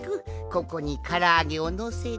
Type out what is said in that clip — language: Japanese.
ここにからあげをのせて。